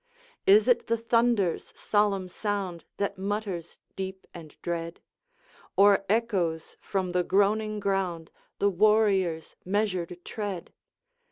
Is it the thunder's solemn sound That mutters deep and dread, Or echoes from the groaning ground The warrior's measured tread?